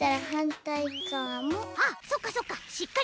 あっそっかそっか！